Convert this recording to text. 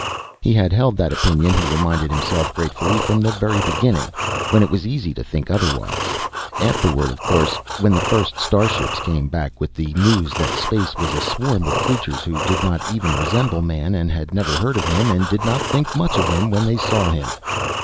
He had held that opinion, he reminded himself gratefully, from the very beginning, when it was easy to think otherwise. Afterward, of course when the first star ships came back with the news that space was aswarm with creatures who did not even resemble Man, and had never heard of him, and did not think much of him when they saw him....